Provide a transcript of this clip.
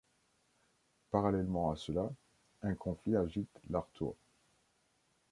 Parallèlement à cela, un conflit agite l’Artois.